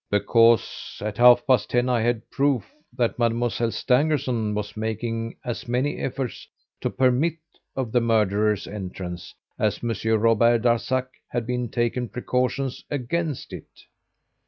"Because, at half past ten, I had proof that Mademoiselle Stangerson was making as many efforts to permit of the murderer's entrance as Monsieur Robert Darzac had taken precautions against it."